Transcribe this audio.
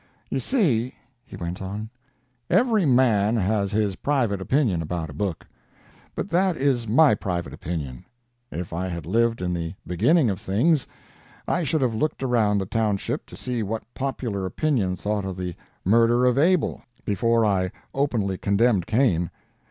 "You see," he went on, "every man has his private opinion about a book. But that is my private opinion. If I had lived in the beginning of things, I should have looked around the township to see what popular opinion thought of the murder of Abel before I openly condemned Cain.